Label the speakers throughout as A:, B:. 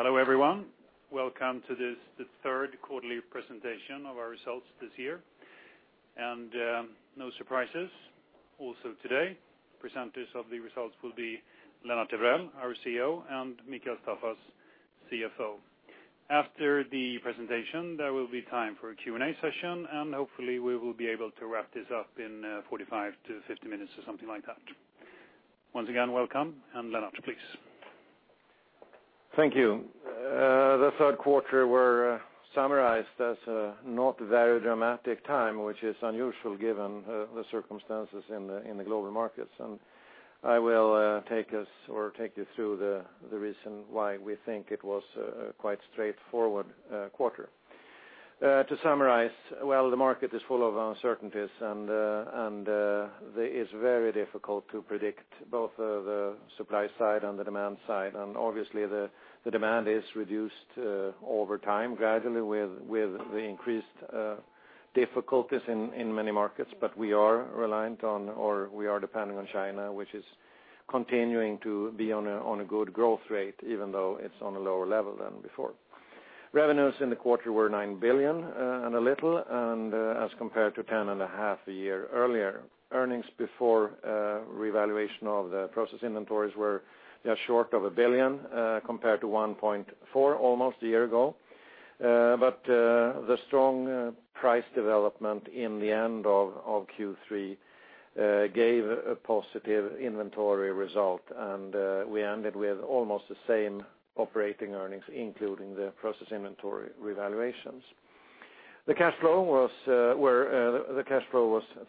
A: Hello, everyone. Welcome to this, the third quarterly presentation of our results this year. No surprises also today, presenters of the results will be Lennart Evrell, our CEO, and Mikael Staffas, CFO. After the presentation, there will be time for a Q&A session. Hopefully we will be able to wrap this up in 45-50 minutes or something like that. Once again, welcome, Lennart, please.
B: Thank you. The third quarter were summarized as a not very dramatic time, which is unusual given the circumstances in the global markets. I will take us or take you through the reason why we think it was a quite straightforward quarter. To summarize, well, the market is full of uncertainties and it's very difficult to predict both the supply side and the demand side. Obviously the demand is reduced over time, gradually with the increased difficulties in many markets. We are reliant on or we are depending on China, which is continuing to be on a good growth rate, even though it's on a lower level than before. Revenues in the quarter were 9 billion and a little, and as compared to 10.5 billion a year earlier. Earnings before revaluation of the process inventory were just short of 1 billion, compared to 1.4 billion almost a year ago. The strong price development in the end of Q3 gave a positive inventory result, and we ended with almost the same operating earnings, including the process inventory revaluations. The cash flow was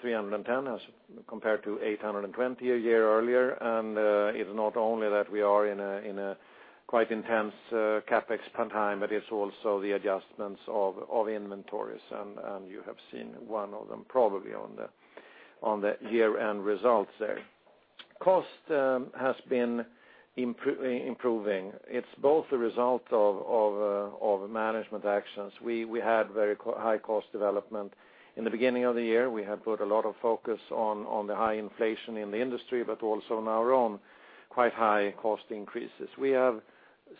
B: 310 million as compared to 820 million a year earlier. It's not only that we are in a quite intense CapEx time, but it's also the adjustments of inventories. You have seen one of them probably on the year-end results there. Cost has been improving. It's both a result of management actions. We had very high cost development. In the beginning of the year, we had put a lot of focus on the high inflation in the industry, but also on our own quite high cost increases. We have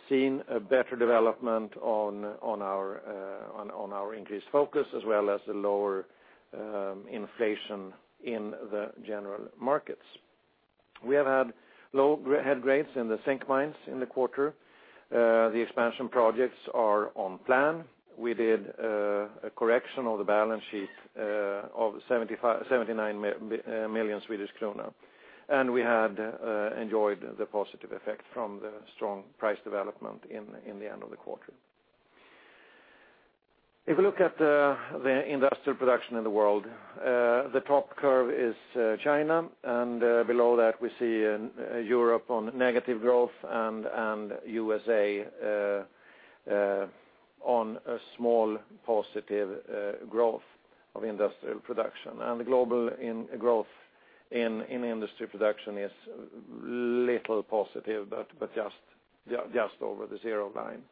B: seen a better development on our increased focus as well as the lower inflation in the general markets. We have had low head grades in the zinc mines in the quarter. The expansion projects are on plan. We did a correction of the balance sheet of 79 million Swedish krona. We had enjoyed the positive effect from the strong price development in the end of the quarter. If we look at the industrial production in the world, the top curve is China, and below that we see Europe on negative growth and USA on a small positive growth of industrial production. The global growth in industry production is little positive, but just over the zero line.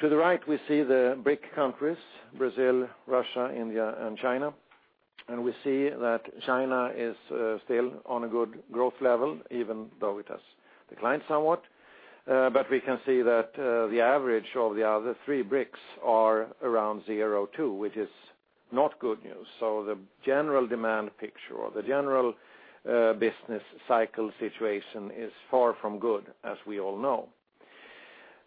B: To the right, we see the BRIC countries, Brazil, Russia, India, and China. We see that China is still on a good growth level, even though it has declined somewhat. We can see that the average of the other three BRICs are around 2, which is not good news. The general demand picture or the general business cycle situation is far from good, as we all know.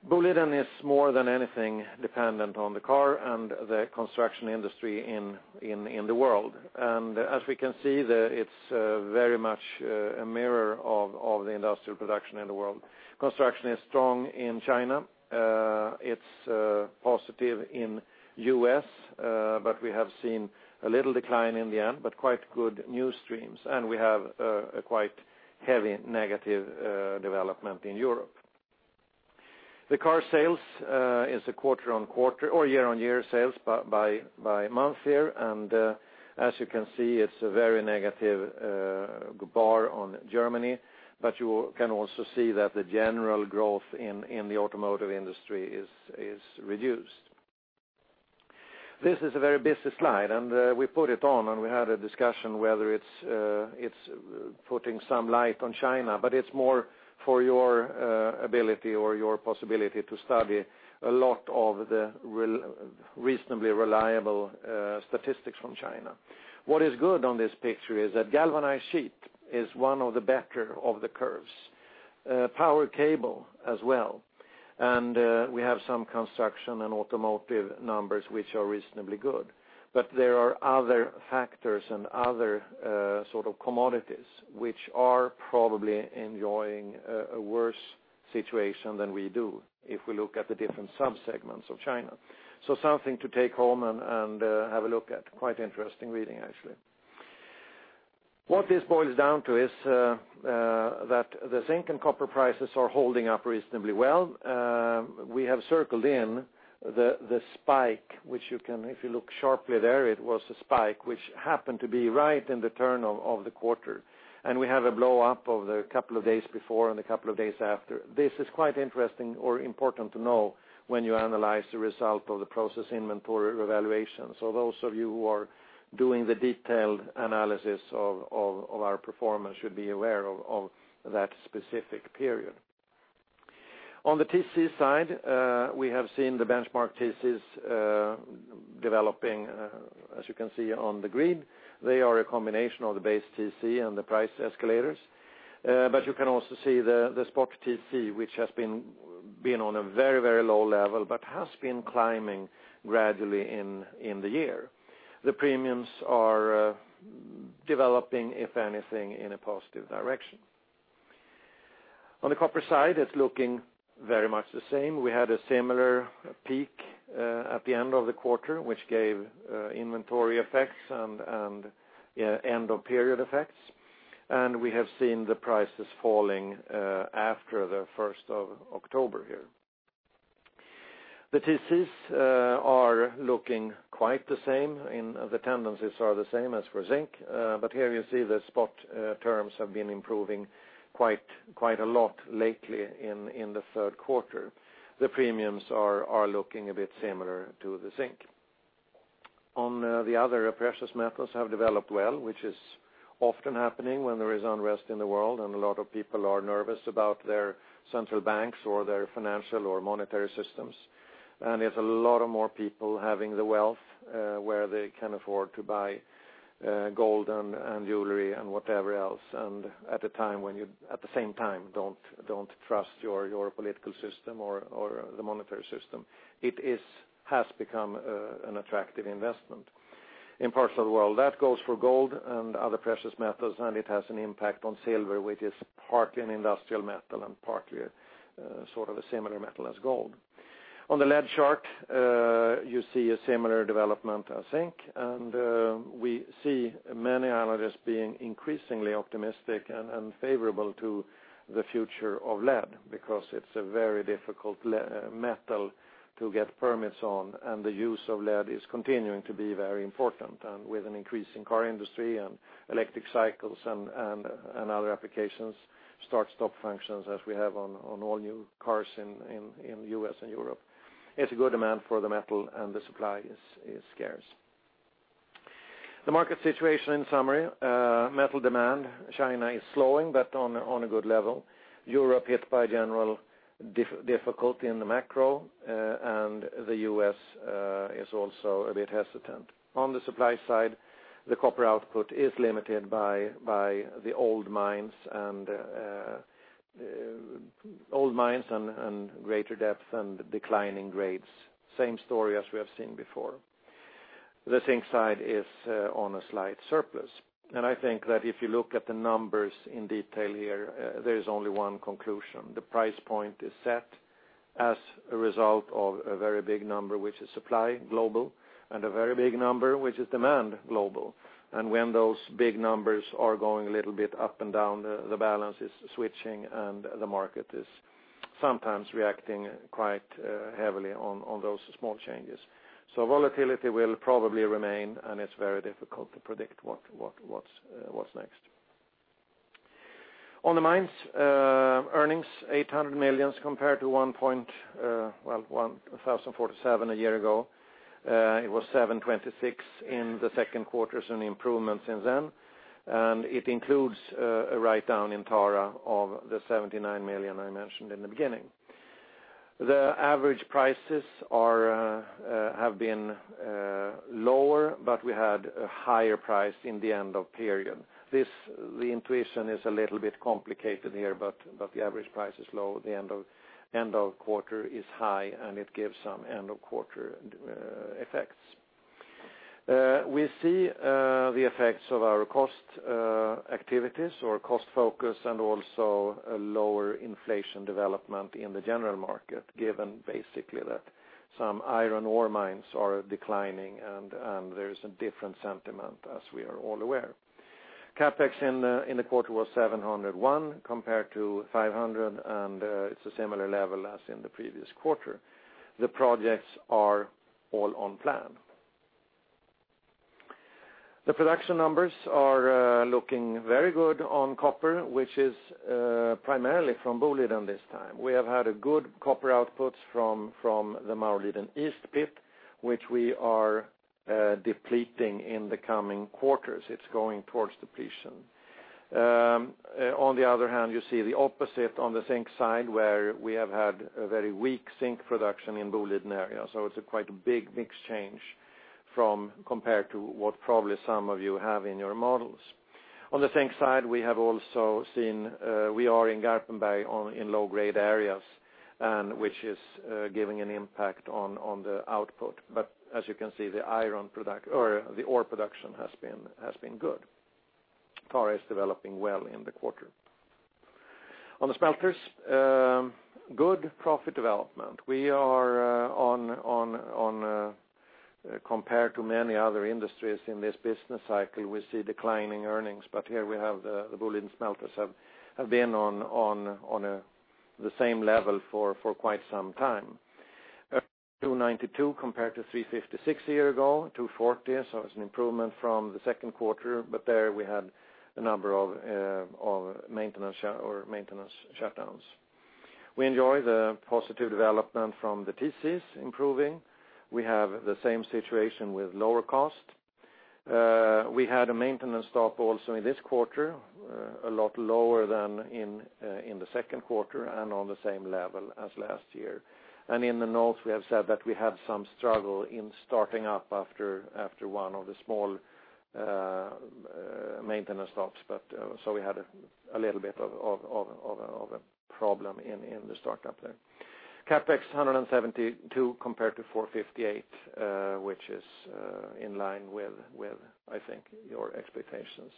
B: Boliden is more than anything dependent on the car and the construction industry in the world. As we can see, it's very much a mirror of the industrial production in the world. Construction is strong in China. It's positive in U.S., but we have seen a little decline in the end, but quite good news streams. We have a quite heavy negative development in Europe. The car sales is a quarter-on-quarter or year-on-year sales by month here, and as you can see, it's a very negative bar on Germany, but you can also see that the general growth in the automotive industry is reduced. This is a very busy slide, and we put it on, and we had a discussion whether it's putting some light on China, but it's more for your ability or your possibility to study a lot of the reasonably reliable statistics from China. What is good on this picture is that galvanized sheet is one of the better of the curves. Power cable as well. We have some construction and automotive numbers which are reasonably good. There are other factors and other sort of commodities which are probably enjoying a worse situation than we do if we look at the different subsegments of China. Something to take home and have a look at. Quite interesting reading, actually. What this boils down to is that the zinc and copper prices are holding up reasonably well. We have circled in the spike, which you can, if you look sharply there, it was a spike which happened to be right in the turn of the quarter. We have a blow up of the couple of days before and a couple of days after. This is quite interesting or important to know when you analyze the result of the process inventory evaluation. Those of you who are doing the detailed analysis of our performance should be aware of that specific period. On the TC side, we have seen the benchmark TCs developing, as you can see on the grid. They are a combination of the base TC and the price escalators. You can also see the spot TC, which has been on a very low level, but has been climbing gradually in the year. The premiums are developing, if anything, in a positive direction. On the copper side, it's looking very much the same. We had a similar peak at the end of the quarter, which gave inventory effects and end of period effects. We have seen the prices falling after the 1st of October here. The TCs are looking quite the same, and the tendencies are the same as for zinc. Here you see the spot terms have been improving quite a lot lately in the third quarter. The premiums are looking a bit similar to the zinc. On the other precious metals have developed well, which is often happening when there is unrest in the world, there's a lot of more people having the wealth, where they can afford to buy gold and jewelry and whatever else. At the same time, don't trust your political system or the monetary system. It has become an attractive investment in parts of the world. That goes for gold and other precious metals, and it has an impact on silver, which is partly an industrial metal and partly a similar metal as gold. On the lead chart, you see a similar development as zinc. We see many analysts being increasingly optimistic and favorable to the future of lead because it's a very difficult metal to get permits on, the use of lead is continuing to be very important. With an increase in car industry and electric cycles and other applications, start-stop functions as we have on all new cars in U.S. and Europe. It's a good demand for the metal, the supply is scarce. The market situation in summary, metal demand, China is slowing, but on a good level. Europe hit by general difficulty in the macro, the U.S. is also a bit hesitant. On the supply side, the copper output is limited by the old mines and greater depth and declining grades. Same story as we have seen before. The zinc side is on a slight surplus. I think that if you look at the numbers in detail here, there is only one conclusion. The price point is set as a result of a very big number, which is supply global, a very big number, which is demand global. When those big numbers are going a little bit up and down, the balance is switching, the market is sometimes reacting quite heavily on those small changes. Volatility will probably remain, it's very difficult to predict what's next. On the mines earnings 800 million compared to 1,047 a year ago. It was 726 in the second quarter, so an improvement since then. It includes a write-down in Tara of the 79 million I mentioned in the beginning. The average prices have been lower, but we had a higher price in the end of period. The intuition is a little bit complicated here, the average price is low. The end of quarter is high, and it gives some end of quarter effects. We see the effects of our cost activities or cost focus and also a lower inflation development in the general market, given basically that some iron ore mines are declining, there is a different sentiment as we are all aware. CapEx in the quarter was 701 compared to 500, it's a similar level as in the previous quarter. The projects are all on plan. The production numbers are looking very good on copper, which is primarily from Boliden this time. We have had a good copper output from the Maurliden East pit, which we are depleting in the coming quarters. It's going towards depletion. On the other hand, you see the opposite on the zinc side, where we have had a very weak zinc production in Boliden Area. It's a quite a big change compared to what probably some of you have in your models. On the zinc side, we are in Garpenberg in low-grade areas, which is giving an impact on the output. As you can see, the ore production has been good. Tara is developing well in the quarter. On the smelters, good profit development. Compared to many other industries in this business cycle, we see declining earnings, but here we have the Boliden smelters have been on the same level for quite some time. 292 compared to 356 a year ago, 240. It's an improvement from the second quarter, but there we had a number of maintenance shutdowns. We enjoy the positive development from the TCs improving. We have the same situation with lower cost. We had a maintenance stop also in this quarter, a lot lower than in the second quarter and on the same level as last year. In the notes, we have said that we had some struggle in starting up after one of the small maintenance stops, we had a little bit of a problem in the startup there. CapEx 172 compared to 458, which is in line with, I think, your expectations.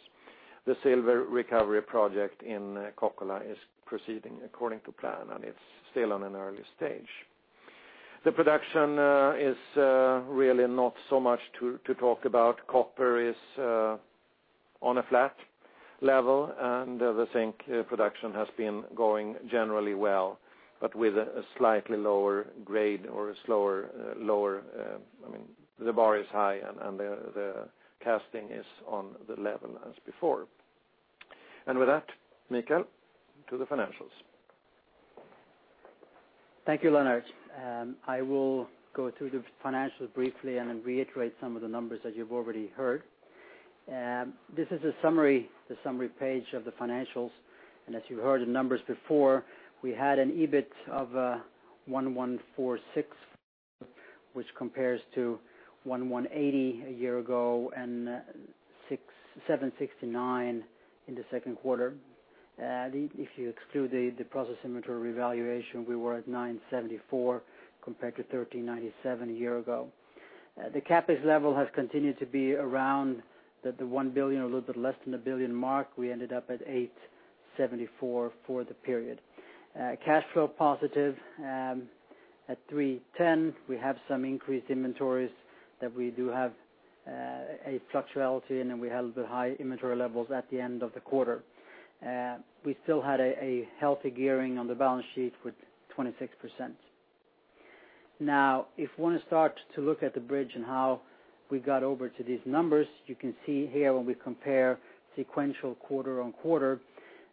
B: The silver recovery project in Kokkola is proceeding according to plan, and it's still in an early stage. The production is really not so much to talk about. copper is on a flat level, and the zinc production has been going generally well, but with a slightly lower grade or a slower, lower I mean, the bar is high, and the casting is on the level as before. With that, Mikael, to the financials.
A: Thank you, Lennart. I will go through the financials briefly and then reiterate some of the numbers that you've already heard. This is a summary page of the financials. As you've heard the numbers before, we had an EBIT of 1,146, which compares to 1,180 a year ago and 769 in the second quarter. If you exclude the revaluation of process inventory, we were at 974 compared to 1,397 a year ago. The CapEx level has continued to be around the 1 billion, a little bit less than 1 billion mark. We ended up at 874 for the period. Cash flow positive at 310. We have some increased inventories that we do have a fluctuality, and then we had a bit high inventory levels at the end of the quarter. We still had a healthy gearing on the balance sheet with 26%. If we want to start to look at the bridge and how we got over to these numbers, you can see here when we compare sequential quarter-on-quarter,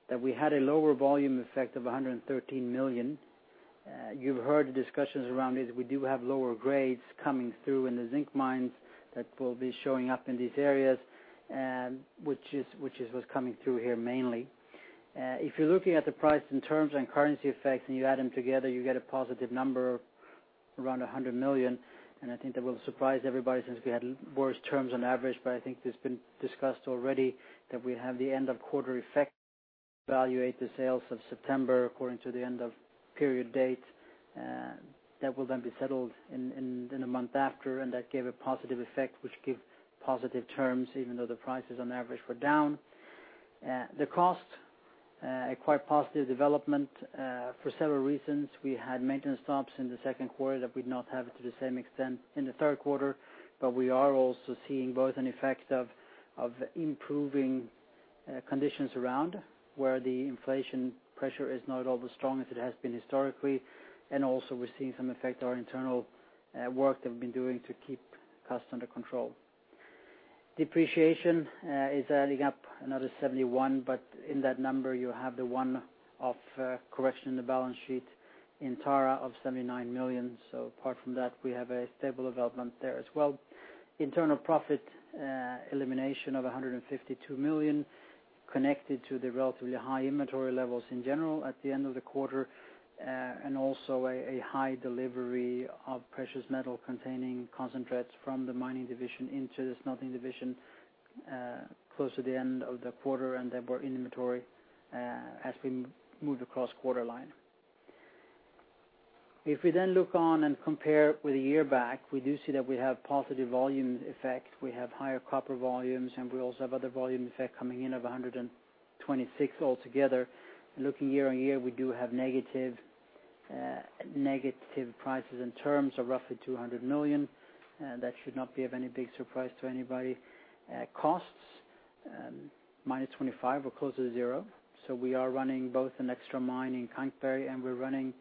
A: that we had a lower volume effect of 113 million. You've heard the discussions around it. We do have lower grades coming through in the zinc mines that will be showing up in these areas, which is what's coming through here mainly. If you're looking at the price in terms and currency effects, you add them together, you get a positive number around 100 million. I think that will surprise everybody since we had worse terms on average. I think it's been discussed already that we have the end of quarter effect, evaluate the sales of September according to the end of period date. That will then be settled in the month after, that gave a positive effect, which give positive terms even though the prices on average were down. The cost, a quite positive development for several reasons. We had maintenance stops in the second quarter that we'd not have to the same extent in the third quarter. We are also seeing both an effect of improving conditions around, where the inflation pressure is not all the strong as it has been historically. Also we're seeing some effect our internal work that we've been doing to keep costs under control. Depreciation is adding up another 71, but in that number you have the one-off correction in the balance sheet in Tara of 79 million. Apart from that, we have a stable development there as well. Internal profit elimination of 152 million connected to the relatively high inventory levels in general at the end of the quarter. Also a high delivery of precious metal containing concentrates from the mining division into the smelting division close to the end of the quarter, they were in inventory as we moved across quarter line. If we look on and compare with a year back, we do see that we have positive volume effect. We have higher copper volumes, we also have other volume effect coming in of 126 altogether. Looking year-on-year, we do have negative prices in terms of roughly 200 million. That should not be of any big surprise to anybody. Costs, minus 25 or close to zero. We are running both an extra mine in Kankberg, we're running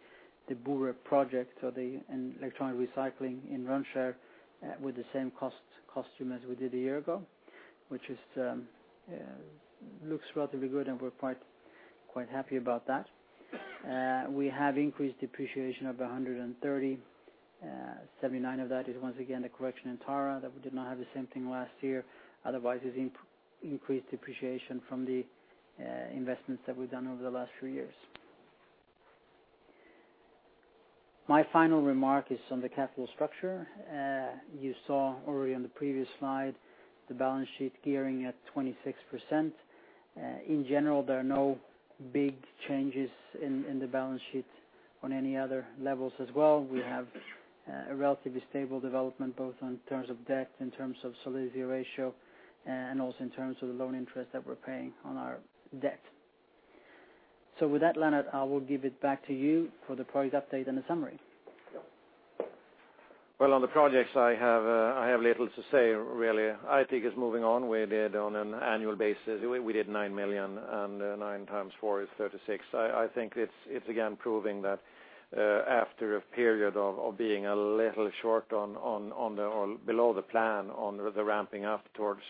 A: the Bure project or the electronic recycling in Rönnskär with the same cost structure as we did a year ago, which looks relatively good, we're quite happy about that. We have increased depreciation of 130. 79 of that is, once again, the correction in Tara that we did not have the same thing last year. Otherwise, it's increased depreciation from the investments that we've done over the last three years. My final remark is on the capital structure. You saw already on the previous slide the balance sheet gearing at 26%. In general, there are no big changes in the balance sheet on any other levels as well. We have a relatively stable development, both in terms of debt, in terms of solidity ratio, and also in terms of the loan interest that we're paying on our debt. With that, Lennart, I will give it back to you for the projects update and the summary.
B: Well, on the projects I have little to say, really. I think it's moving on. We did on an annual basis, we did 9 million, 7 times 4 is 36. I think it's again proving that after a period of being a little short on the or below the plan on the ramping up towards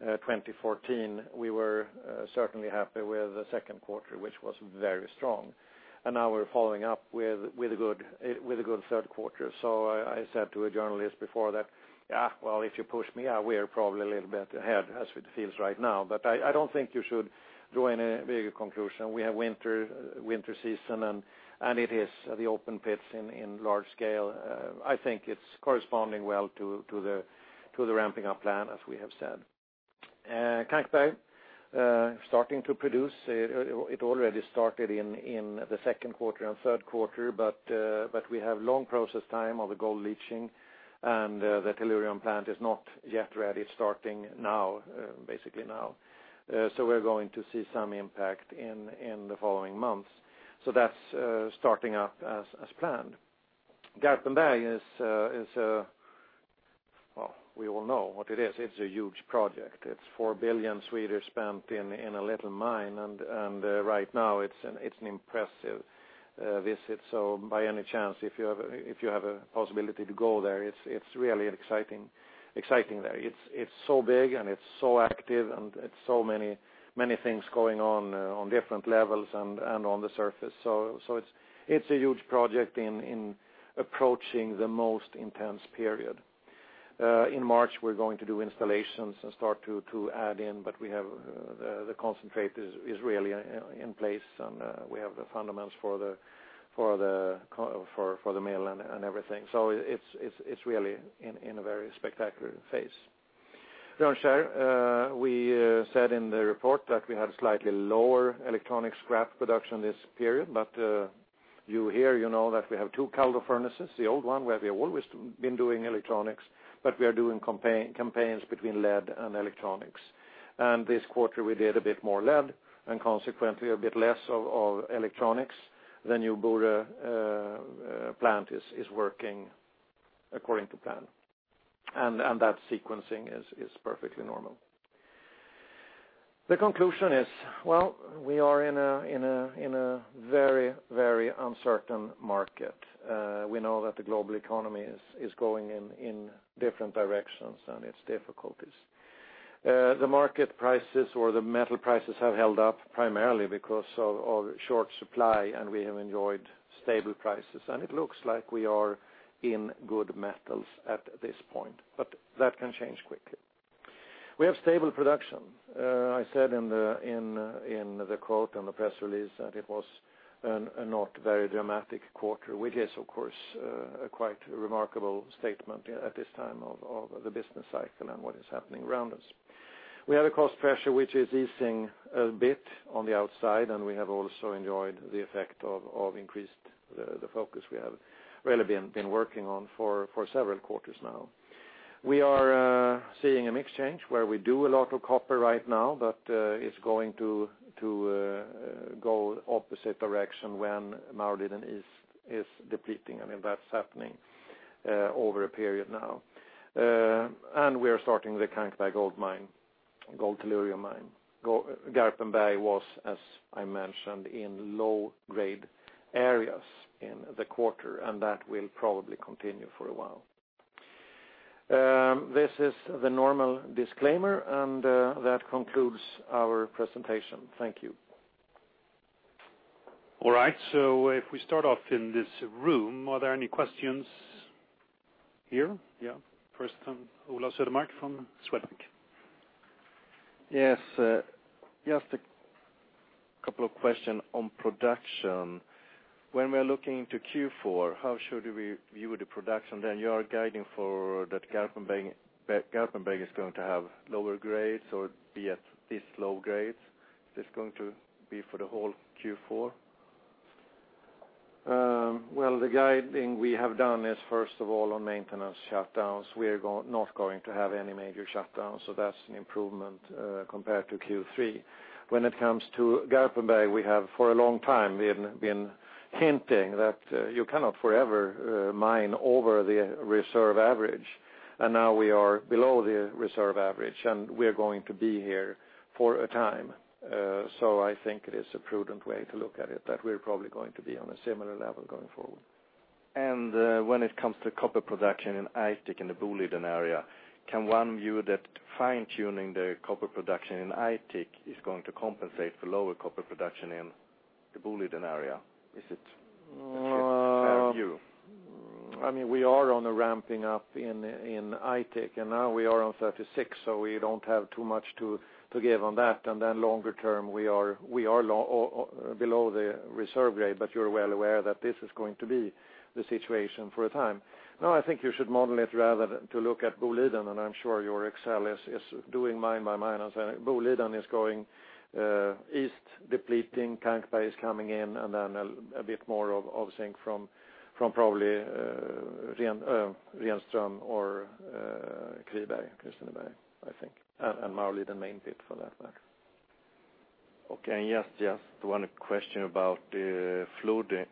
B: 2014, we were certainly happy with the second quarter, which was very strong. We're following up with a good third quarter. I said to a journalist before that, "Yeah, well, if you push me, we are probably a little bit ahead as it feels right now," I don't think you should draw any bigger conclusion. We have winter season, it is the open pits in large scale. I think it's corresponding well to the ramping up plan as we have said. Kankberg starting to produce. It already started in the second quarter and third quarter, we have long process time of the gold leaching, the tellurium plant is not yet ready, starting basically now. We're going to see some impact in the following months. That's starting up as planned. Garpenberg, we all know what it is. It's a huge project. It's 4 billion spent in a little mine, right now it's an impressive visit. By any chance, if you have a possibility to go there, it's really exciting there. It's so big, it's so active, it's so many things going on on different levels and on the surface. It's a huge project in approaching the most intense period. In March we're going to do installations and start to add in, we have the concentrate is really in place, we have the fundamentals for the mill and everything. It's really in a very spectacular phase. Rönnskär, we said in the report that we had slightly lower electronic scrap production this period, you here you know that we have 2 Kaldo furnaces, the old one where we have always been doing electronics, we are doing campaigns between lead and electronics. This quarter we did a bit more lead consequently a bit less of electronics. The New WEEE plant is working according to plan, that sequencing is perfectly normal. The conclusion is, well, we are in a very uncertain market. We know that the global economy is going in different directions and its difficulties. The market prices or the metal prices have held up primarily because of short supply, we have enjoyed stable prices. It looks like we are in good metals at this point, but that can change quickly. We have stable production. I said in the quote on the press release that it was a not very dramatic quarter, which is of course a quite remarkable statement at this time of the business cycle and what is happening around us. We have a cost pressure which is easing a bit on the outside, we have also enjoyed the effect of increased the focus we have really been working on for several quarters now. We are seeing a mix change where we do a lot of copper right now, but it's going to go opposite direction when Maurliden is depleting, that's happening over a period now. We are starting the Kankberg gold tellurium mine. Garpenberg was, as I mentioned, in low grade areas in the quarter, that will probably continue for a while. This is the normal disclaimer, that concludes our presentation. Thank you.
A: All right. If we start off in this room, are there any questions here? Yeah. First one, Ola Söderberg from Swedbank.
C: Yes. Just a couple of question on production. When we're looking into Q4, how should we view the production then? You are guiding for that Garpenberg is going to have lower grades or be at this low grades. Is this going to be for the whole Q4?
B: Well, the guiding we have done is, first of all, on maintenance shutdowns. We're not going to have any major shutdowns, that's an improvement compared to Q3. When it comes to Garpenberg, we have for a long time we have been hinting that you cannot forever mine over the reserve average, and now we are below the reserve average, and we are going to be here for a time. I think it is a prudent way to look at it, that we're probably going to be on a similar level going forward.
C: When it comes to copper production in Aitik and the Boliden Area, can one view that fine-tuning the copper production in Aitik is going to compensate for lower copper production in the Boliden Area? Is it a fair view?
B: We are on a ramping up in Aitik, and now we are on 36, we don't have too much to give on that. Then longer term, we are below the reserve grade, you're well aware that this is going to be the situation for a time. No, I think you should model it rather to look at Boliden, I'm sure your Excel is doing mine by mine. Boliden is going east depleting, Kankberg is coming in, and then a bit more of zinc from probably Renström or Kristineberg, I think, and Maurliden main pit for that matter.
C: Okay. Just one question about the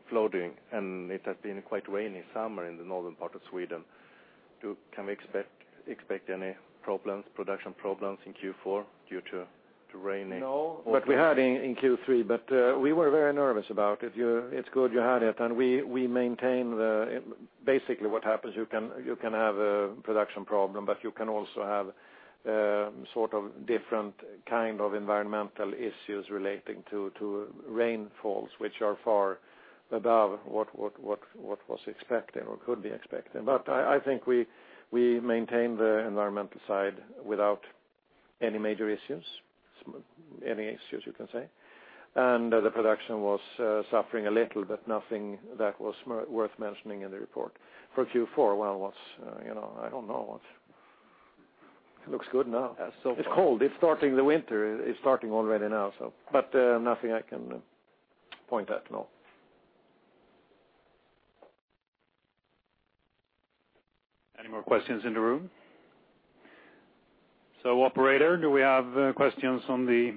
C: flooding. It has been quite rainy summer in the northern part of Sweden. Can we expect any production problems in Q4 due to.
B: To raining?
A: No.
B: We had in Q3, but we were very nervous about it. It's good you had it, and we maintain the-- Basically what happens, you can have a production problem, but you can also have different kind of environmental issues relating to rainfalls, which are far above what was expected or could be expected. I think we maintained the environmental side without any major issues. Any issues, you can say. The production was suffering a little, but nothing that was worth mentioning in the report. For Q4, well, I don't know. It looks good now. Yeah, so far. It's cold. The winter is starting already now, but nothing I can point at, no.
A: Any more questions in the room? Operator, do we have questions on the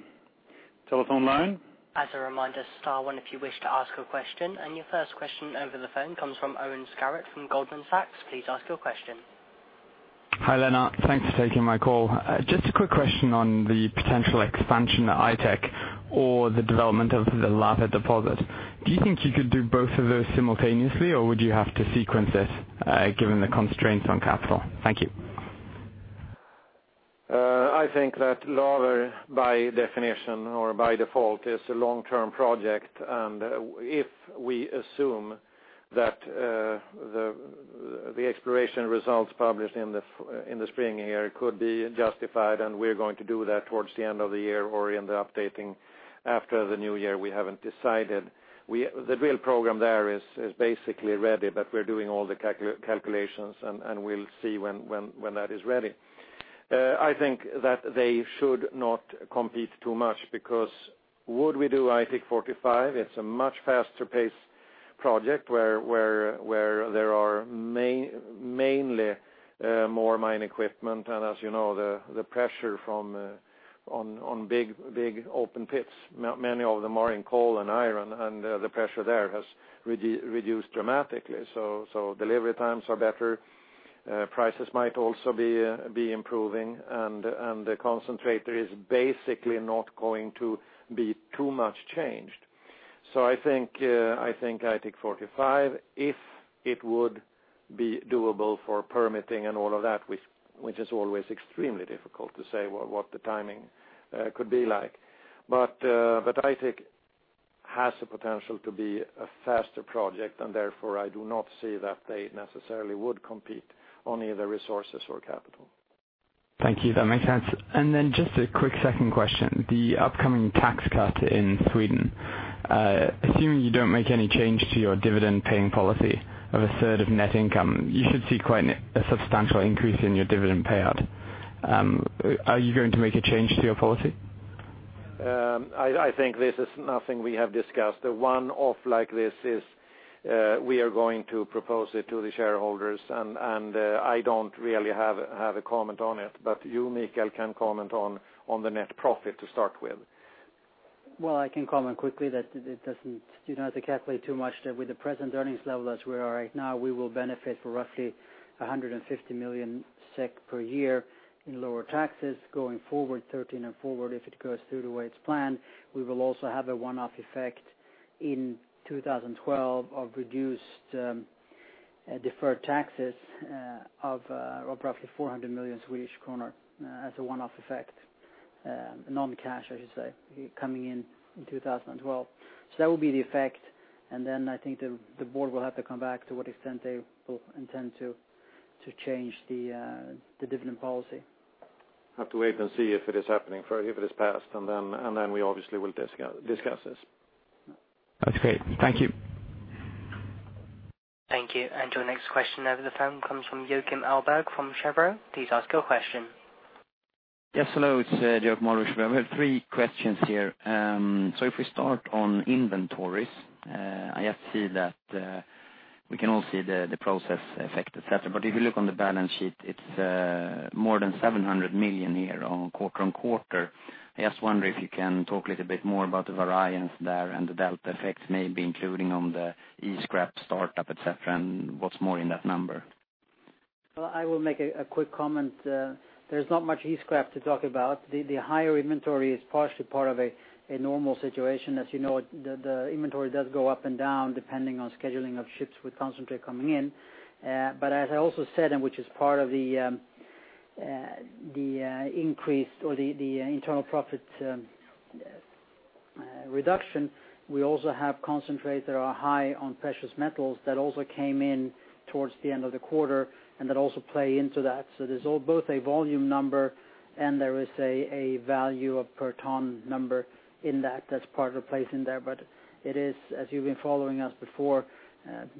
A: telephone line?
D: As a reminder, star one if you wish to ask a question. Your first question over the phone comes from Owen Scarrott from Goldman Sachs. Please ask your question.
E: Hi, Lennart. Thanks for taking my call. Just a quick question on the potential expansion at Aitik or the development of the Laver deposit. Do you think you could do both of those simultaneously, or would you have to sequence it, given the constraints on capital? Thank you.
B: I think that Laver, by definition or by default, is a long-term project, if we assume that the exploration results published in the spring here could be justified, we're going to do that towards the end of the year or in the updating after the new year. We haven't decided. The real program there is basically ready, we're doing all the calculations, we'll see when that is ready. I think that they should not compete too much, because would we do Aitik 45, it's a much faster paced project where there are mainly more mining equipment as you know, the pressure on big open pits, many of them are in coal and iron, the pressure there has reduced dramatically. Delivery times are better. Prices might also be improving, the concentrator is basically not going to be too much changed. I think, Aitik 45, if it would be doable for permitting and all of that, which is always extremely difficult to say what the timing could be like. Aitik has the potential to be a faster project, therefore I do not see that they necessarily would compete on either resources or capital.
E: Thank you. That makes sense. Just a quick second question. The upcoming tax cut in Sweden. Assuming you don't make any change to your dividend paying policy of a third of net income, you should see quite a substantial increase in your dividend payout. Are you going to make a change to your policy?
B: I think this is nothing we have discussed. A one-off like this is, we are going to propose it to the shareholders, I don't really have a comment on it, you, Mikael, can comment on the net profit to start with.
A: I can comment quickly that you don't have to calculate too much there. With the present earnings level as we are right now, we will benefit for roughly 150 million SEK per year in lower taxes going forward, 2013 and forward, if it goes through the way it's planned. We will also have a one-off effect in 2012 of reduced deferred taxes of roughly 400 million Swedish kronor as a one-off effect. Non-cash, I should say, coming in in 2012. That will be the effect, I think the board will have to come back to what extent they will intend to change the dividend policy.
B: Have to wait and see if it is happening, if it is passed, and then we obviously will discuss this.
E: That's great. Thank you.
D: Thank you. Your next question over the phone comes from Joakim Ahlberg from Cheuvreux. Please ask your question.
F: Yes, hello. It's Joakim Ahlberg. I have three questions here. If we start on inventories, I see that we can all see the process effect, et cetera. If you look on the balance sheet, it's more than 700 million here quarter-on-quarter. I just wonder if you can talk a little bit more about the variance there and the delta effect, maybe including on the e-scrap startup, et cetera, and what's more in that number?
A: Well, I will make a quick comment. There's not much e-scrap to talk about. The higher inventory is partially part of a normal situation. As you know, the inventory does go up and down depending on scheduling of ships with concentrate coming in. As I also said, and which is part of the increase or the internal profit reduction, we also have concentrate that are high on precious metals that also came in towards the end of the quarter and that also play into that. There's both a volume number and there is a value of per ton number in that that's part of the place in there. It is, as you've been following us before,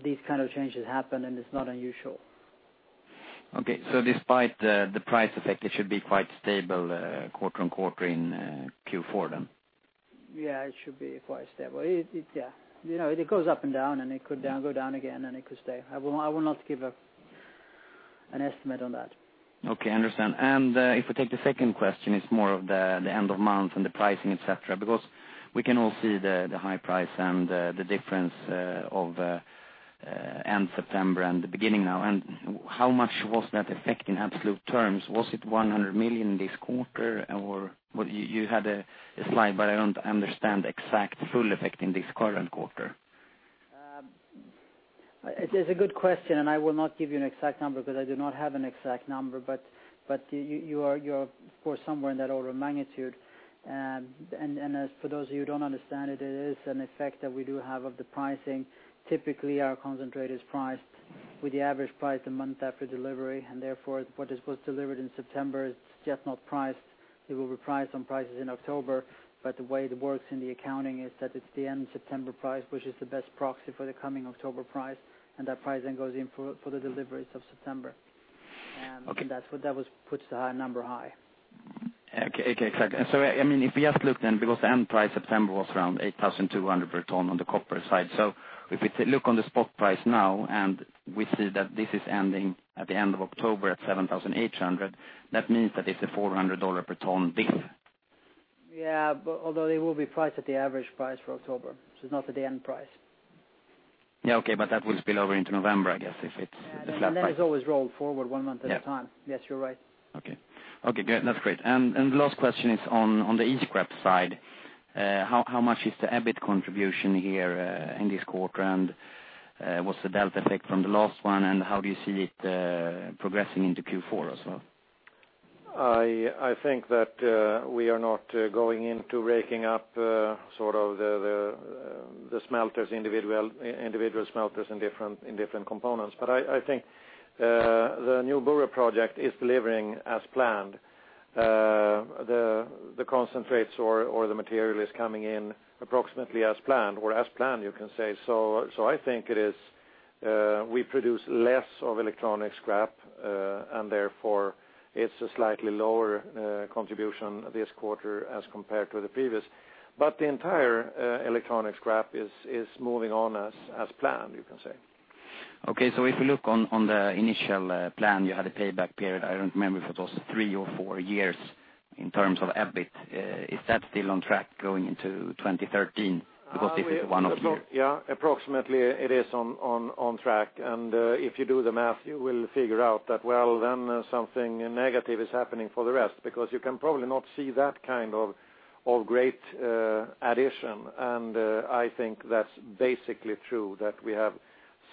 A: these kind of changes happen, and it's not unusual.
F: Okay. Despite the price effect, it should be quite stable quarter-on-quarter in Q4, then.
A: Yeah, it should be quite stable. It goes up and down, and it could go down again, and it could stay. I will not give an estimate on that.
F: Okay, understand. If we take the second question, it's more of the end of month and the pricing, et cetera, because we can all see the high price and the difference of end September and the beginning now, and how much was that effect in absolute terms? Was it 100 million this quarter? You had a slide, but I don't understand exact full effect in this current quarter.
A: It is a good question, and I will not give you an exact number because I do not have an exact number, but you are of course somewhere in that order of magnitude. As for those of you who don't understand it is an effect that we do have of the pricing. Typically, our concentrate is priced with the average price the month after delivery, and therefore, what is supposed delivered in September is just not priced. It will be priced on prices in October, but the way it works in the accounting is that it's the end September price, which is the best proxy for the coming October price, and that price then goes in for the deliveries of September.
F: Okay.
A: That puts the number high.
F: Okay. Exactly. If we just look then, because the end price September was around 8,200 per ton on the copper side. If we look on the spot price now and we see that this is ending at the end of October at 7,800, that means that it's a $400 per ton dip.
A: Yeah. Although it will be priced at the average price for October, it's not at the end price.
F: Yeah. Okay. That will spill over into November, I guess if it's a flat price.
A: It's always rolled forward one month at a time.
F: Yeah.
A: Yes, you're right.
F: Okay. Good. That's great. The last question is on the e-scrap side. How much is the EBIT contribution here in this quarter, and what's the delta effect from the last one, and how do you see it progressing into Q4 as well?
B: I think that we are not going into raking up the smelters, individual smelters in different components. I think the new Boura project is delivering as planned. The concentrates or the material is coming in approximately as planned or as planned you can say. I think we produce less of electronic scrap, and therefore it's a slightly lower contribution this quarter as compared to the previous. The entire electronic scrap is moving on as planned, you can say.
F: Okay. If we look on the initial plan, you had a payback period, I don't remember if it was three or four years in terms of EBIT. Is that still on track going into 2013 because this is one of the year?
B: Yeah, approximately it is on track. If you do the math, you will figure out that, well, then something negative is happening for the rest because you can probably not see that kind of great addition. I think that's basically true that we have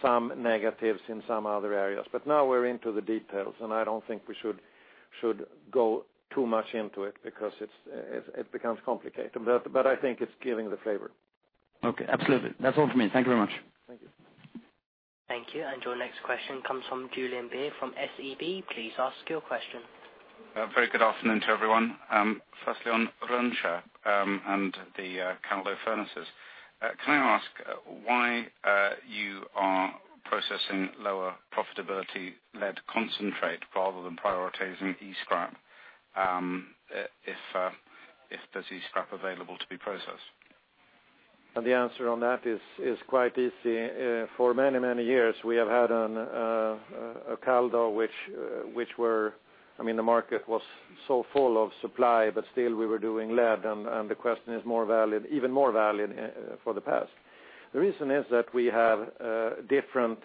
B: some negatives in some other areas, now we're into the details and I don't think we should go too much into it because it becomes complicated, I think it's giving the flavor.
F: Okay. Absolutely. That's all for me. Thank you very much.
B: Thank you.
D: Thank you. Your next question comes from Julian Beer from SEB. Please ask your question.
G: Very good afternoon to everyone. Firstly, on Rönnskär and the Kaldo furnaces. Can I ask why you are processing lower profitability lead concentrate rather than prioritizing E-scrap, if there's E-scrap available to be processed?
B: The answer on that is quite easy. For many, many years, we have had a Kaldo. The market was so full of supply, but still we were doing lead and the question is even more valid for the past. The reason is that we have different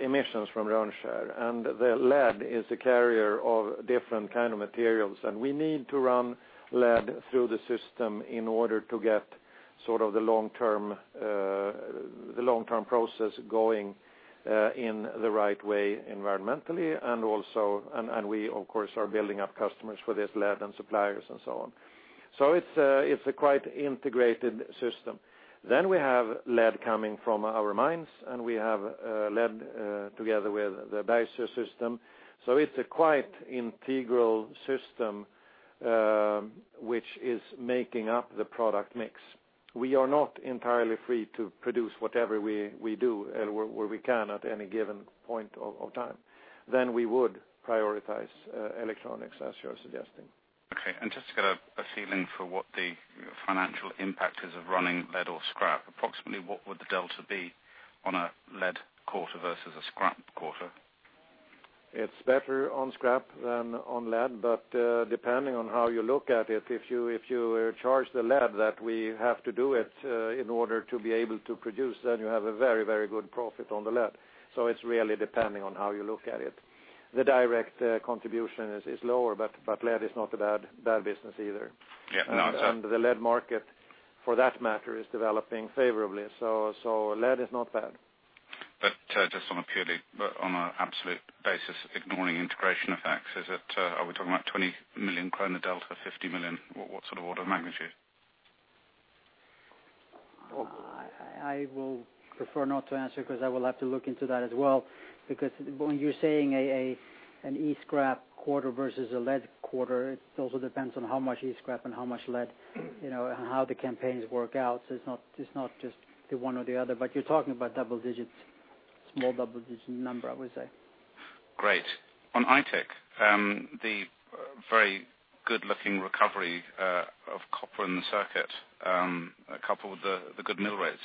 B: emissions from Rönnskär, and the lead is a carrier of different kind of materials, and we need to run lead through the system in order to get the long-term process going in the right way environmentally. We of course, are building up customers for this lead and suppliers and so on. It's a quite integrated system. We have lead coming from our mines, and we have lead together with the Bergsöe system. It's a quite integral system, which is making up the product mix. We are not entirely free to produce whatever we do or we can at any given point of time. We would prioritize electronics as you're suggesting.
G: Okay. Just to get a feeling for what the financial impact is of running lead or scrap, approximately what would the delta be on a lead quarter versus a scrap quarter?
B: It's better on scrap than on lead, depending on how you look at it, if you charge the lead that we have to do it in order to be able to produce, you have a very, very good profit on the lead. It's really depending on how you look at it. The direct contribution is lower, lead is not a bad business either.
G: Yeah. No, I understand.
B: The lead market for that matter is developing favorably, lead is not bad.
G: Just on a purely, on an absolute basis, ignoring integration effects, are we talking about 20 million krona delta, 50 million? What sort of order of magnitude?
A: I will prefer not to answer because I will have to look into that as well. When you're saying an e-scrap quarter versus a lead quarter, it also depends on how much e-scrap and how much lead, and how the campaigns work out. It's not just the one or the other, but you're talking about double digits, small double digit number, I would say.
G: Great. On Aitik, the very good looking recovery of copper in the circuit, coupled with the good mill rates.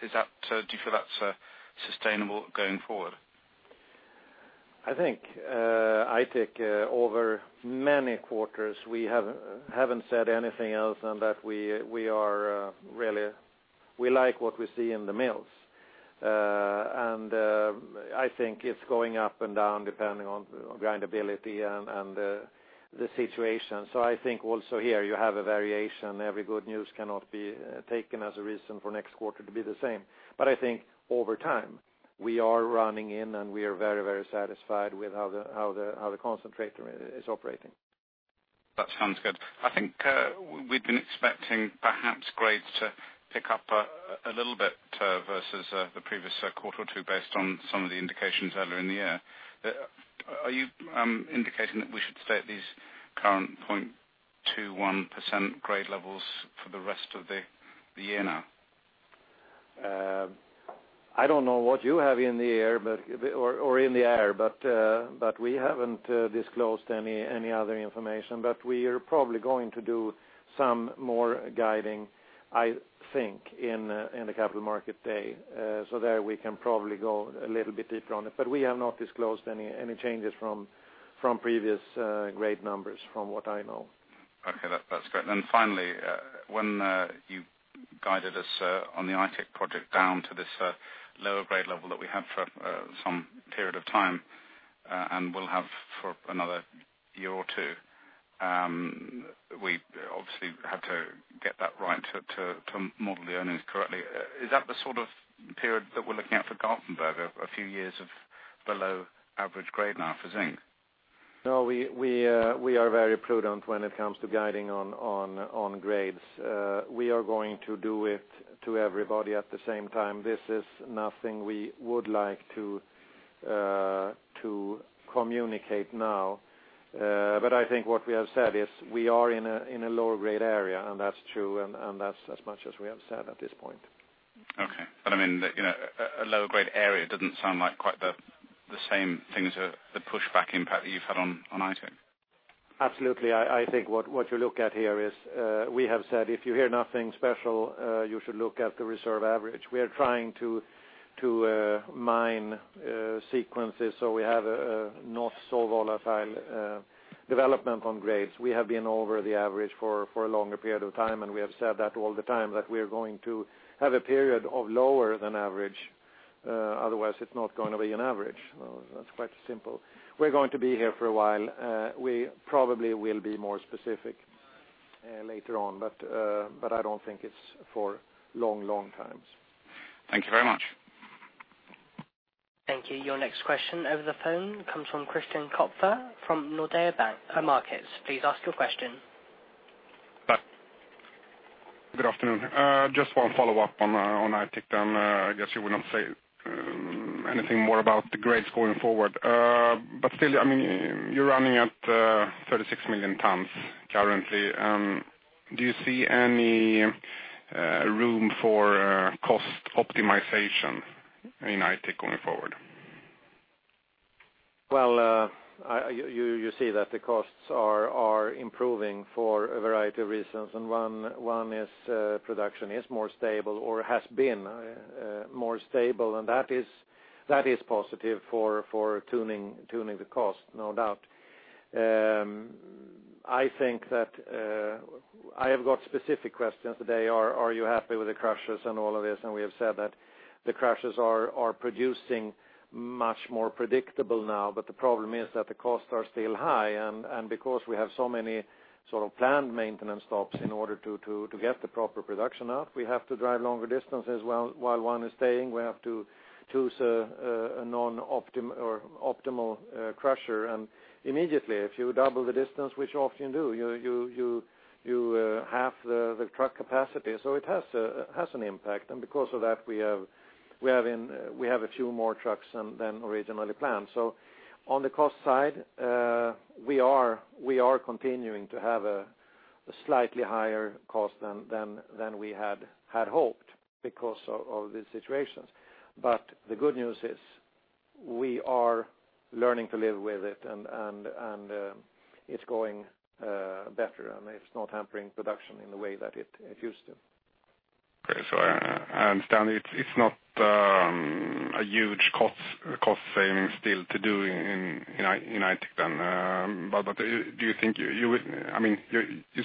G: Do you feel that's sustainable going forward?
B: I think Aitik over many quarters, we haven't said anything else than that we like what we see in the mills. I think it's going up and down depending on grindability and the situation. I think also here you have a variation. Every good news cannot be taken as a reason for next quarter to be the same. I think over time, we are running in and we are very satisfied with how the concentrator is operating.
G: That sounds good. I think we'd been expecting perhaps grades to pick up a little bit, versus the previous quarter or two based on some of the indications earlier in the year. Are you indicating that we should stay at these current 0.21% grade levels for the rest of the year now?
B: I don't know what you have in the air or in the air, we haven't disclosed any other information. We are probably going to do some more guiding I think in the Capital Markets Day. There we can probably go a little bit deeper on it. We have not disclosed any changes from previous grade numbers from what I know.
G: Okay. That's great. Finally, when you guided us on the Aitik project down to this lower grade level that we had for some period of time, and will have for another year or two. We obviously had to get that right to model the earnings correctly. Is that the sort of period that we're looking at for Garpenberg, a few years of below average grade now for zinc?
B: No, we are very prudent when it comes to guiding on grades. We are going to do it to everybody at the same time. This is nothing we would like to communicate now. I think what we have said is we are in a lower grade area, and that's true and that's as much as we have said at this point.
G: Okay. I mean, a lower grade area doesn't sound like quite the same thing as the pushback impact that you've had on Aitik.
B: Absolutely. I think what you look at here is, we have said, if you hear nothing special, you should look at the reserve average. We are trying to mine sequences so we have a not so volatile development on grades. We have been over the average for a longer period of time. We have said that all the time, that we are going to have a period of lower than average, otherwise it's not going to be an average. That's quite simple. We're going to be here for a while. We probably will be more specific later on. I don't think it's for long times.
G: Thank you very much.
D: Thank you. Your next question over the phone comes from Christian Kopfer from Nordea Markets. Please ask your question.
H: Good afternoon. Just one follow-up on Aitik then. I guess you will not say anything more about the grades going forward. Still, you're running at 36 million tons currently. Do you see any room for cost optimization in Aitik going forward?
B: Well, you see that the costs are improving for a variety of reasons. One is production is more stable or has been more stable, and that is positive for tuning the cost, no doubt. I think that I have got specific questions today. Are you happy with the crushers and all of this? We have said that the crushers are producing much more predictable now. The problem is that the costs are still high. Because we have so many sort of planned maintenance stops in order to get the proper production out, we have to drive longer distances while one is staying. We have to choose a non-optimal crusher. Immediately, if you double the distance, which you often do, you half the truck capacity. It has an impact. Because of that, we have a few more trucks than originally planned. On the cost side, we are continuing to have a slightly higher cost than we had hoped because of these situations. The good news is we are learning to live with it and it's going better and it's not hampering production in the way that it used to.
H: Okay, I understand it's not a huge cost saving still to do in Aitik then. Do you think you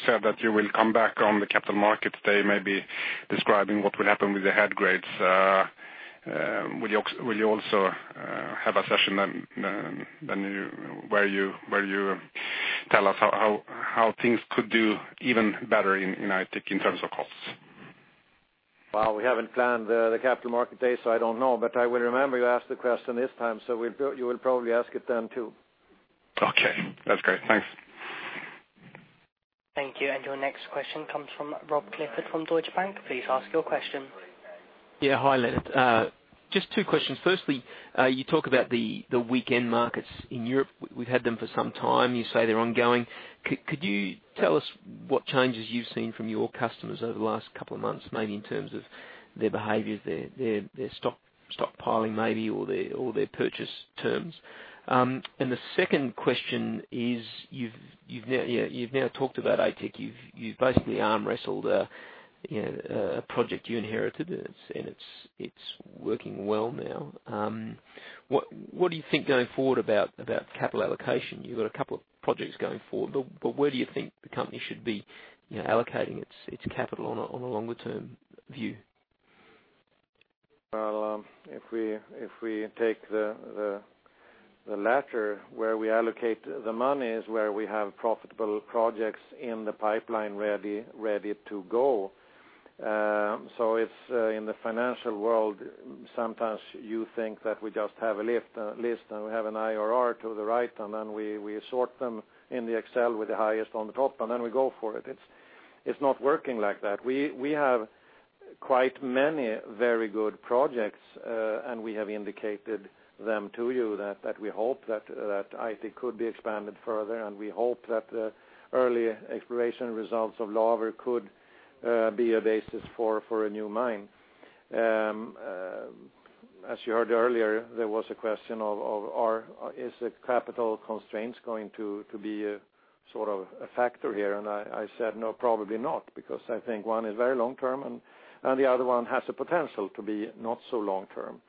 H: said that you will come back on the Capital Markets Day maybe describing what will happen with the head grades. Will you also have a session where you tell us how things could do even better in Aitik in terms of costs?
B: Well, we haven't planned the Capital Markets Day, I don't know. I will remember you asked the question this time, you will probably ask it then, too.
H: Okay. That's great. Thanks.
D: Thank you. Your next question comes from Rob Clifford from Deutsche Bank. Please ask your question.
I: Yeah. Hi, Lennart. Just two questions. Firstly, you talk about the weakened markets in Europe. We've had them for some time. You say they're ongoing. Could you tell us what changes you've seen from your customers over the last couple of months, maybe in terms of their behavior, their stockpiling maybe, or their purchase terms? The second question is, you've now talked about Aitik. You've basically arm wrestled an Aitik project you inherited, and it's working well now. What do you think going forward about capital allocation? You've got a couple of projects going forward, but where do you think the company should be allocating its capital on a longer-term view?
B: Well, if we take the latter, where we allocate the money is where we have profitable projects in the pipeline ready to go. It's in the financial world, sometimes you think that we just have a list and we have an IRR to the right, then we sort them in the Excel with the highest on the top, then we go for it. It's not working like that. We have quite many very good projects, we have indicated them to you that we hope that Aitik could be expanded further, we hope that the early exploration results of Laver could be a basis for a new mine. As you heard earlier, there was a question of, is the capital constraints going to be a factor here? I said, "No, probably not." Because I think one is very long-term, the other one has the potential to be not so long-term.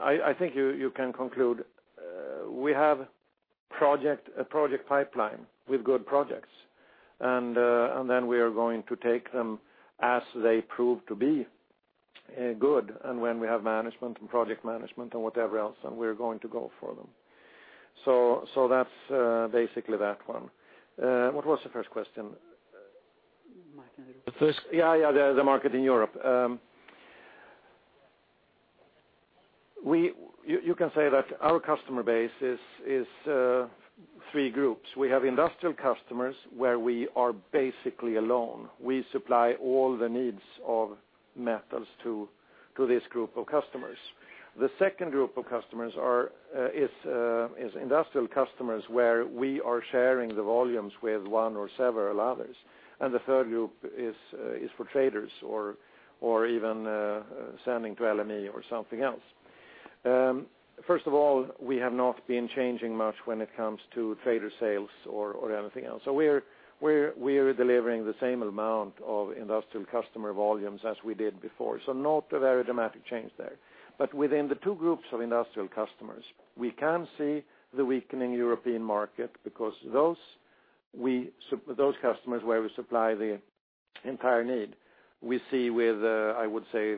B: I think you can conclude we have a project pipeline with good projects. Then we are going to take them as they prove to be good, when we have management and project management and whatever else, we're going to go for them. That's basically that one. What was the first question?
I: Market in Europe.
B: The market in Europe. You can say that our customer base is three groups. We have industrial customers where we are basically alone. We supply all the needs of metals to this group of customers. The second group of customers is industrial customers where we are sharing the volumes with one or several others. The third group is for traders or even selling to LME or something else. First of all, we have not been changing much when it comes to trader sales or anything else. We're delivering the same amount of industrial customer volumes as we did before. Not a very dramatic change there. Within the two groups of industrial customers, we can see the weakening European market because those customers where we supply the entire need, we see with, I would say,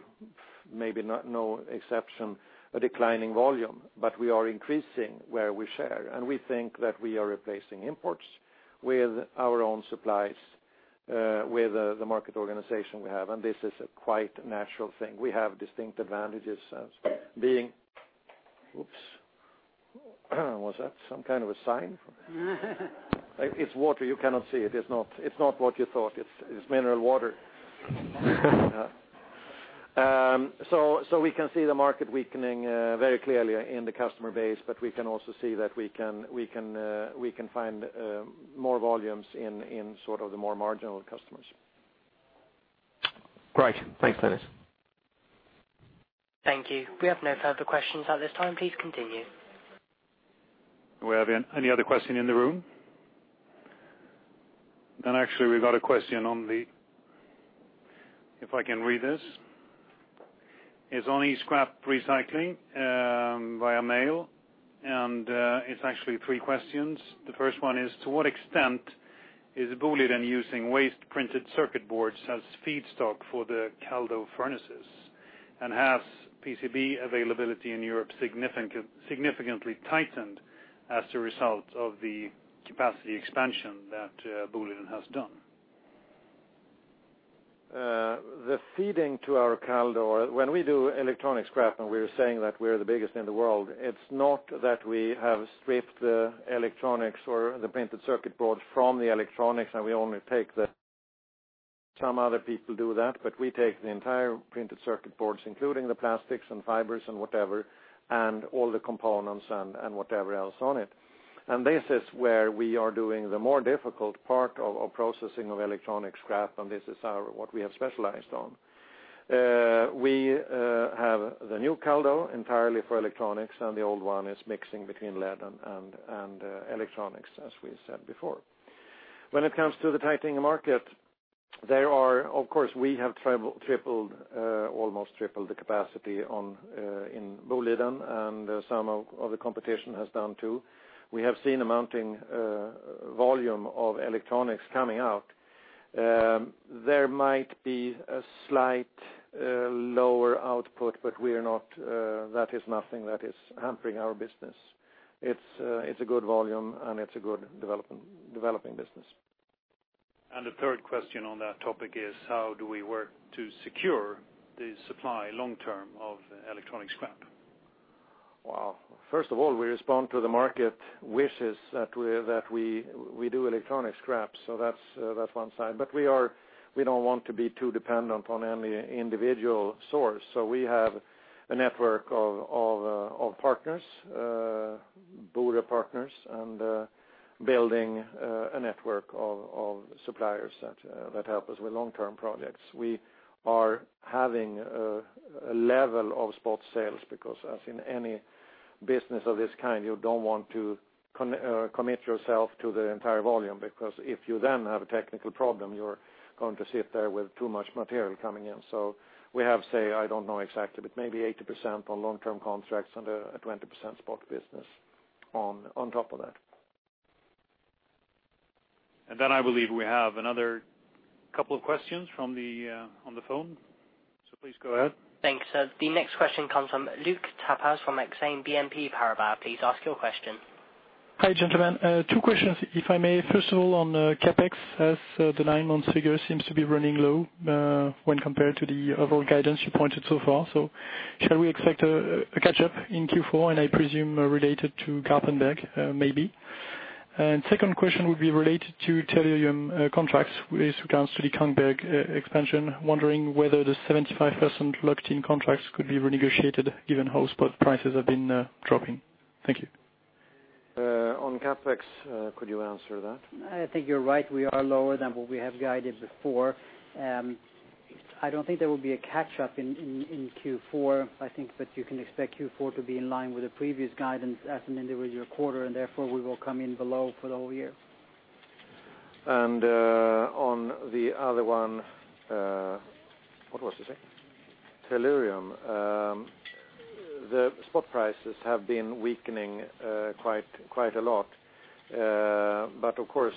B: maybe no exception, a declining volume. We are increasing where we share. We think that we are replacing imports with our own supplies, with the market organization we have. This is a quite natural thing. We have distinct advantages as being. Oops. Was that some kind of a sign? It's water. You cannot see. It's not what you thought. It's mineral water. We can see the market weakening very clearly in the customer base. We can also see that we can find more volumes in the more marginal customers.
I: Great. Thanks, Leif.
D: Thank you. We have no further questions at this time. Please continue.
A: Do we have any other question in the room? Actually, we've got a question. It's on e-scrap recycling via mail, and it's actually three questions. The first one is, to what extent is Boliden using waste printed circuit boards as feedstock for the Kaldo furnaces? Has PCB availability in Europe significantly tightened as a result of the capacity expansion that Boliden has done?
B: The feeding to our Kaldo, when we do electronic scrap, we are saying that we're the biggest in the world. It's not that we have stripped the electronics or the printed circuit board from the electronics. Some other people do that, we take the entire printed circuit boards, including the plastics and fibers and whatever, and all the components and whatever else on it. This is where we are doing the more difficult part of processing of electronic scrap, this is what we have specialized on. We have the new Kaldo entirely for electronics, the old one is mixing between lead and electronics, as we said before. When it comes to the tightening market, of course, we have almost tripled the capacity in Boliden, some of the competition has done, too. We have seen a mounting volume of electronics coming out. There might be a slight lower output, that is nothing that is hampering our business. It's a good volume, it's a good developing business.
A: The third question on that topic is how do we work to secure the supply long term of electronic scrap?
B: First of all, we respond to the market wishes that we do electronic scrap, that's one side. We don't want to be too dependent on any individual source. We have a network of partners, Boliden partners, and building a network of suppliers that help us with long-term projects. We are having a level of spot sales because as in any business of this kind, you don't want to commit yourself to the entire volume because if you then have a technical problem, you're going to sit there with too much material coming in. We have, say, I don't know exactly, but maybe 80% on long-term contracts and a 20% spot business on top of that. I believe we have another couple of questions from on the phone. Please go ahead.
D: Thanks. The next question comes from Luc Pez from Exane BNP Paribas. Please ask your question.
J: Hi, gentlemen. Two questions, if I may. First of all, on the CapEx, as the nine months figure seems to be running low when compared to the overall guidance you pointed so far. Shall we expect a catch-up in Q4, and I presume related to Garpenberg maybe? Second question would be related to tellurium contracts with regards to the Garpenberg expansion. Wondering whether the 75% locked-in contracts could be renegotiated given how spot prices have been dropping. Thank you.
B: On CapEx, could you answer that?
A: I think you're right. We are lower than what we have guided before. I don't think there will be a catch-up in Q4. I think that you can expect Q4 to be in line with the previous guidance as an individual quarter, and therefore we will come in below for the whole year.
B: On the other one, what was it? Tellurium. The spot prices have been weakening quite a lot. Of course,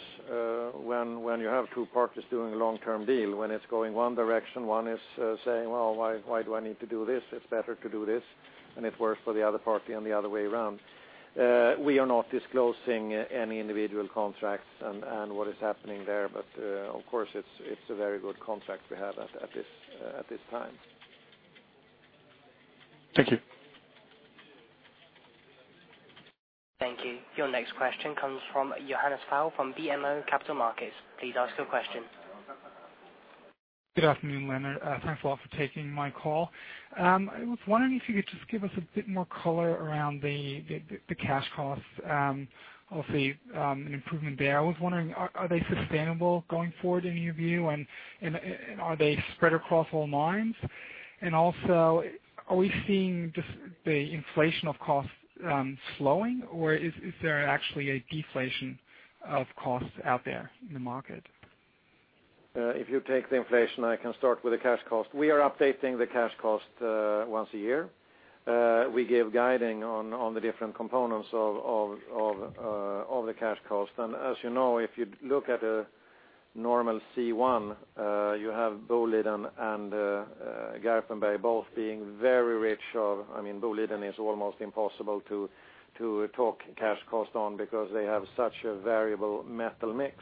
B: when you have two parties doing a long-term deal, when it's going one direction, one is saying, "Well, why do I need to do this? It's better to do this." It works for the other party on the other way around. We are not disclosing any individual contracts and what is happening there. Of course, it's a very good contract we have at this time.
J: Thank you.
D: Thank you. Your next question comes from Johannes Vogel from BMO Capital Markets. Please ask your question.
K: Good afternoon, Lennart. Thanks a lot for taking my call. I was wondering if you could just give us a bit more color around the cash costs. Obviously, an improvement there. I was wondering, are they sustainable going forward in your view, and are they spread across all mines? Also, are we seeing the inflation of costs slowing, or is there actually a deflation of costs out there in the market?
B: If you take the inflation, I can start with the cash cost. We are updating the cash cost once a year. We give guiding on the different components of the cash cost. As you know, if you look at a normal C1, you have Boliden and Garpenberg both being very rich. Boliden is almost impossible to talk cash cost on because they have such a variable metal mix.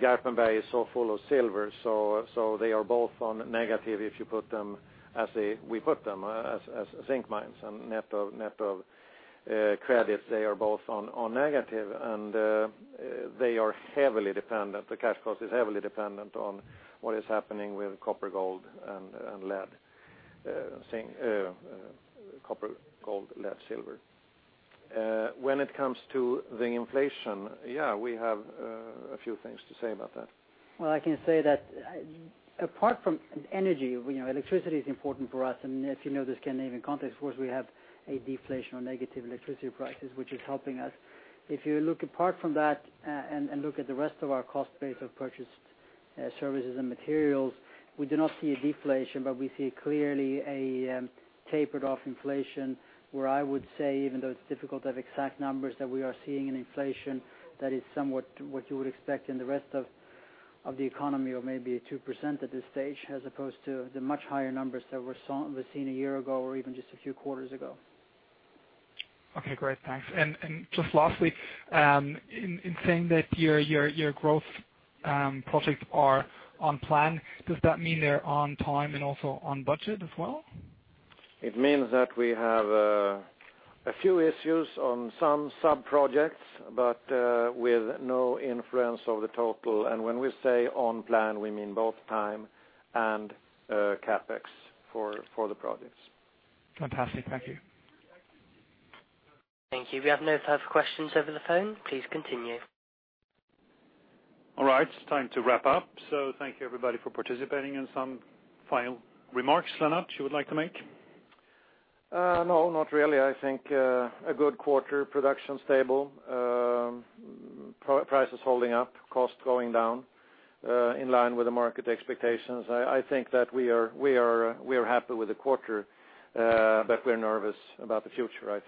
B: Garpenberg is so full of silver, so they are both on negative if you put them as we put them, as zinc mines. Net of credits, they are both on negative, and they are heavily dependent. The cash cost is heavily dependent on what is happening with copper, gold, and lead. Copper, gold, lead, silver. When it comes to the inflation, yeah, we have a few things to say about that.
A: Well, I can say that apart from energy, electricity is important for us. If you know the Scandinavian context, of course, we have a deflation or negative electricity prices, which is helping us. If you look apart from that and look at the rest of our cost base of purchased services and materials, we do not see a deflation, but we see clearly a tapered off inflation, where I would say, even though it's difficult to have exact numbers that we are seeing in inflation, that is somewhat what you would expect in the rest of the economy, or maybe 2% at this stage, as opposed to the much higher numbers that were seen a year ago or even just a few quarters ago.
K: Okay, great. Thanks. Just lastly, in saying that your growth projects are on plan, does that mean they're on time and also on budget as well?
B: It means that we have a few issues on some sub-projects, but with no influence over the total. When we say on plan, we mean both time and CapEx for the projects.
K: Fantastic. Thank you.
D: Thank you. We have no further questions over the phone. Please continue.
A: All right. It's time to wrap up. Thank you, everybody, for participating and some final remarks, Lennart, you would like to make? No, not really. I think a good quarter, production stable, prices holding up, cost going down, in line with the market expectations. I think that we are happy with the quarter, but we're nervous about the future.